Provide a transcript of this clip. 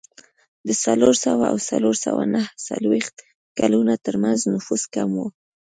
د څلور سوه او څلور سوه نهه څلوېښت کلونو ترمنځ نفوس کم و